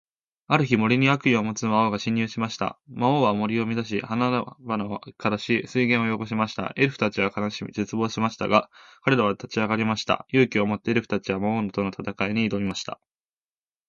ある日、森に悪意を持つ魔王が侵入しました。魔王は森を乱し、花々を枯らし、水源を汚しました。エルフたちは悲しみ、絶望しましたが、彼らは立ち上がりました。勇気を持って、エルフたちは魔王との戦いに挑みました。